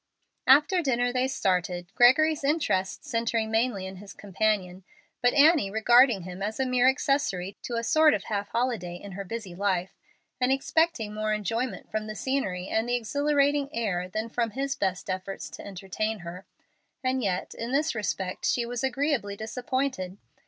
After dinner they started, Gregory's interest centring mainly in his companion, but Annie regarding him as a mere accessory to a sort of half holiday in her busy life, and expecting more enjoyment from the scenery and the exhilarating air than from his best efforts to entertain her. And yet in this respect she was agreeably disappointed.